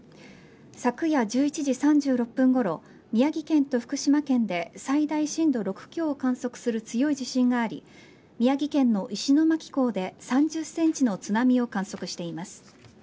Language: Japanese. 昨夜１１時３６分ごろ宮城県と福島県で最大震度６強を観測する強い地震があり宮城県の石巻港で３０センチの津波を観測しています。